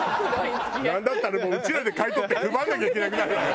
なんだったらうちらで買い取って配らなきゃいけなくなるわよ